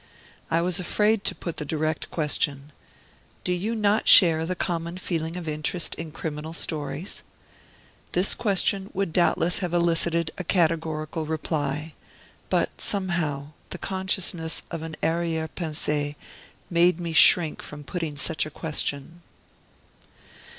I was afraid to put the direct question: Do you not share the common feeling of interest in criminal stories? This question would doubtless have elicited a categorical reply; but somehow, the consciousness of an arriere pensee made me shrink from putting such a question.